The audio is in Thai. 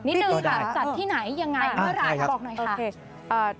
นิดนึงค่ะจัดที่ไหนยังไงเมื่อไหร่บอกหน่อยค่ะ